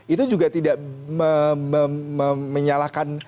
itu juga tidak menyalahkan